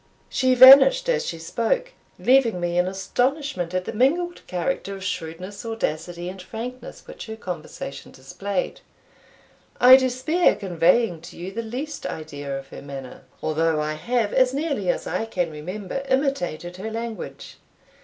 She vanished as she spoke, leaving me in astonishment at the mingled character of shrewdness, audacity, and frankness, which her conversation displayed. I despair conveying to you the least idea of her manner, although I have, as nearly as I can remember, imitated her language.